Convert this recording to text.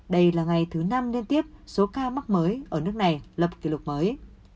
đây là ngày thứ năm liên tiếp số ca mắc mới ở nước này lập kỷ lục mới